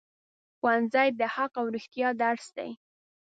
ښوونځی د حق او رښتیا درس دی